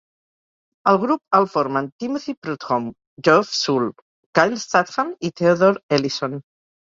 El grup el formen Timothy Prudhomme, Geoff Soule, Kyle Statham i Theodore Ellison.